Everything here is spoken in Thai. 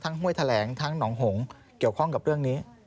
ห้วยแถลงทั้งหนองหงเกี่ยวข้องกับเรื่องนี้